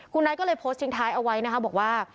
คุณไนท์ก็เลยโพสต์ทิ้งท้ายเอาไว้นะคะบอกว่า